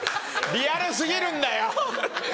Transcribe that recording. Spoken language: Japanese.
リアル過ぎるんだよ。